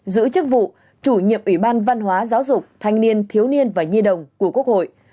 giữ chức vụ chủ nhiệm ủy ban văn hóa giáo dục thanh niên thiếu niên và nhi đồng của quốc hội